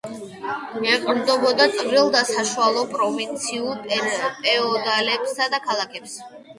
ეყრდნობოდა წვრილ და საშუალო პროვინციულ ფეოდალებსა და ქალაქებს.